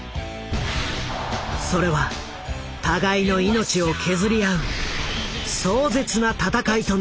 それは互いの命を削り合う壮絶な戦いとなった。